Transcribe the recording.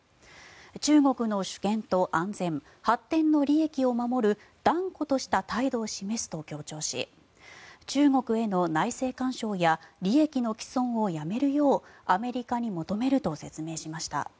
中国の主権と安全・発展の利益を守る断固とした態度を示すと強調し中国への内政干渉や利益の毀損をやめるようアメリカに求めると説明しました。